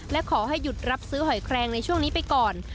และขอให้หยุดรับซื้อหอยแครงในช่วงนี้ไปก่อน